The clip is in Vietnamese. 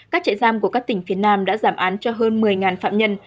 các trại giam của các tỉnh phía nam đã giảm án cho hơn một mươi phạm nhân